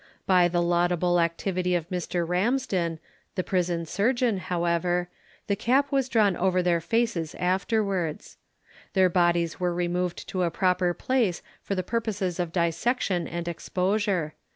By the laudable activity of Mr. Ramsden, the prison surgeon, however, the cap was drawn over their faces afterwards. Their bodies were removed to a proper place for the purposes of dissection and exposure.